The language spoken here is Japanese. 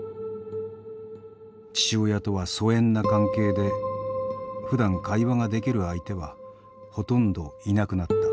父親とは疎遠な関係でふだん会話ができる相手はほとんどいなくなった。